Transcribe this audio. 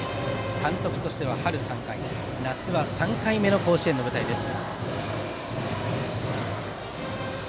監督としては春３回、夏は３回目の甲子園の舞台です。